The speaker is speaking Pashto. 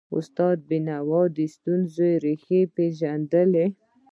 استاد بینوا د ستونزو ریښې پېژندلي.